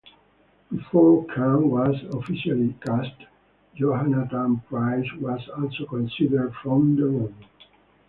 Before Caan was officially cast, Jonathan Pryce was also considered for the role.